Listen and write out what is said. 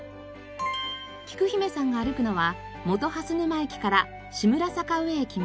きく姫さんが歩くのは本蓮沼駅から志村坂上駅まで。